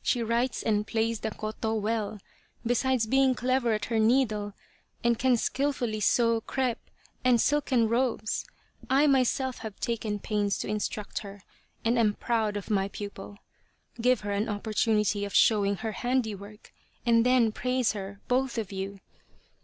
She writes and plays the koto well, besides being clever at her needle, and can skilfully sew crepe and silken robes. I myself have taken pains to instruct her, and am proud of my pupil. Give her an opportunity of showing her handiwork, and then praise her both of you.